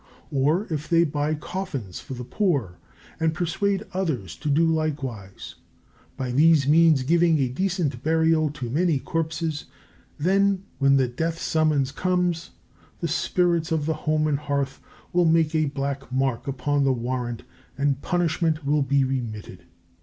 Or if they buy coffins for the poor and persuade others to do likewise, by these means giving a decent burial to many corpses then, when the death summons comes, the Spirits of the Home and Hearth will make a black mark upon the warrant, and punishment will be remitted.